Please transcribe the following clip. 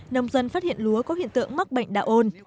nông dân phát hiện lúa có hiện tượng mắc bệnh đạo ôn